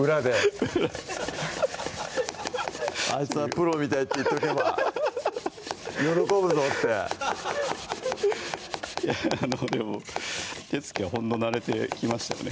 裏でフフッ「あいつはプロみたいって言っとけば喜いやでも手つきはほんと慣れてきましたよね